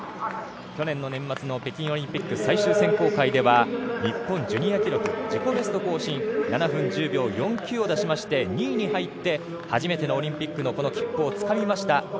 去年の年末の北京オリンピック最終選考会では日本ジュニア記録自己ベスト更新７分１０秒４９を出しまして２位に入って、初めてのオリンピックの切符をつかみました。